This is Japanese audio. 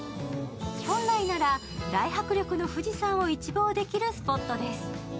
本来なら大迫力の富士山を一望できるスポットです。